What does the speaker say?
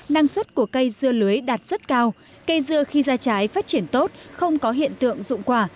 năng suất của cây dưa lưới đạt rất cao cây dưa khi ra trái phát triển tốt không có hiện tượng dụng quả